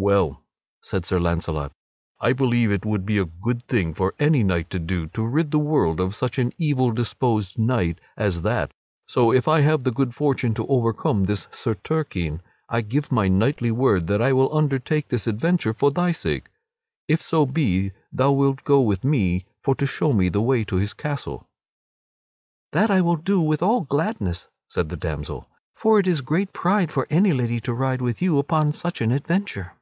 "Well," said Sir Launcelot, "I believe it would be a good thing for any knight to do to rid the world of such an evil disposed knight as that, so if I have the good fortune to overcome this Sir Turquine, I give my knightly word that I will undertake this adventure for thy sake, if so be thou wilt go with me for to show me the way to his castle." "That I will do with all gladness," said the damsel, "for it is great pride for any lady to ride with you upon such an adventure."